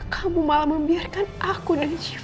kamu malah membiarkan aku dan syuku